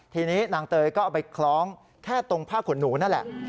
ทีนี้นางเตยก็เอาไปคล้องแค่ตรงผ้าขนหนูนั่นแหละ